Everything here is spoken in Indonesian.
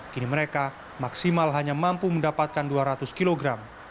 kini mereka maksimal hanya mampu mendapatkan dua ratus kg